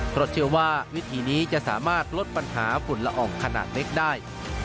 เพราะเชื่อว่าวิธีนี้จะสามารถลดปัญหาฝุ่นละอองขนาดเล็กได้